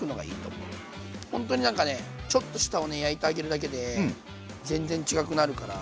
ほんとになんかねちょっと下をね焼いてあげるだけで全然違くなるから。